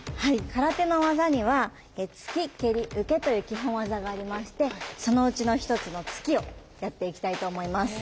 空手の技には突き蹴り受けという基本技がありましてそのうちの一つの突きをやっていきたいと思います。